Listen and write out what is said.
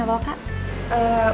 hai mau pesan apa kak